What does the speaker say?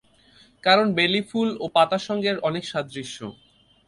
কারণ বেলি ফুল ও পাতার সঙ্গে এর অনেক সাদৃশ্য।